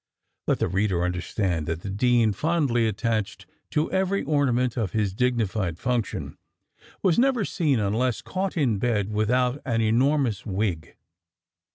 Let the reader understand, that the dean, fondly attached to every ornament of his dignified function, was never seen (unless caught in bed) without an enormous wig.